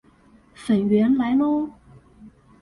粉圓來囉